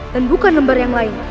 dan bukan lembar yang lain